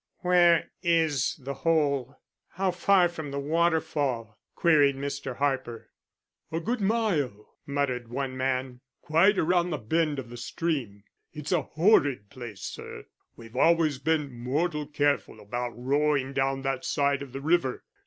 "Where is the hole? How far from the waterfall?" queried Mr. Harper. "A good mile," muttered one man. "Quite around the bend of the stream. It's a horrid place, sir. We've always been mortal careful about rowing down that side of the river.